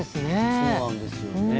そうなんですね。